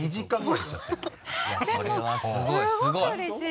いやそれはすごいすごい！